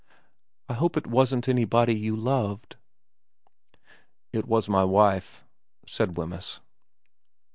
* I hope it wasn't anybody you loved ?'* It was my wife,' said Wemyss.